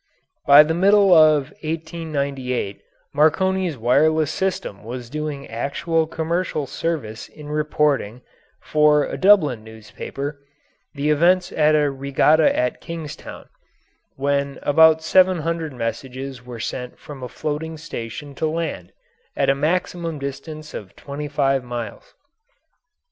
By the middle of 1898 Marconi's wireless system was doing actual commercial service in reporting, for a Dublin newspaper, the events at a regatta at Kingstown, when about seven hundred messages were sent from a floating station to land, at a maximum distance of twenty five miles.